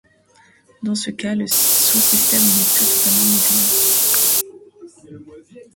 Dans ce cas, le sous-système n'est plus totalement modulaire.